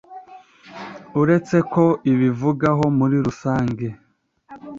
uretse ko ibivugaho muri rusange;